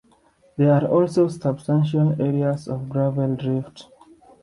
There are also substantial areas of gravel drift.